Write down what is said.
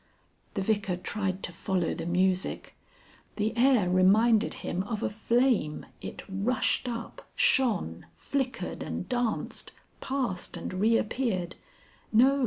The Vicar tried to follow the music. The air reminded him of a flame, it rushed up, shone, flickered and danced, passed and reappeared. No!